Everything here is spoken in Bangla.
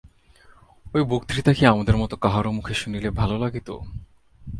ঐ বক্তৃতা কি আমাদের মতো কাহারো মুখে শুনিলে ভালো লাগিত?